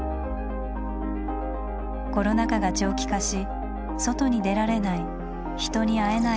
コロナ禍が長期化し「外に出られない」「人に会えない」